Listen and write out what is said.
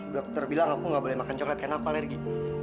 dokter bilang aku gak boleh makan coklat kenapa alergi